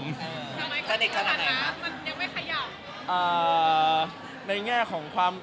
ทำไมค่ะสถานะมันยังไม่ขยับ